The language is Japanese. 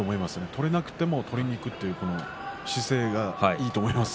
取れなくても取りにいくという姿勢がいいと思います。